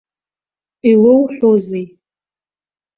Илоуҳәозеи?